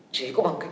chỉ có bằng kỳ cương